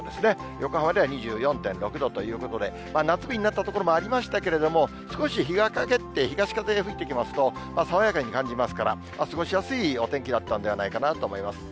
横浜では２４．６度ということで、夏日になった所もありましたけれども、少し日が陰って、東風、吹いてきますと、爽やかに感じますから、過ごしやすいお天気になったんではないかなと思います。